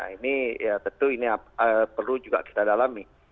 ini ya tentu ini perlu juga kita dalami